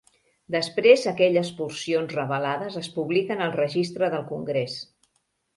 Després aquelles porcions revelades es publiquen al Registre del Congrés.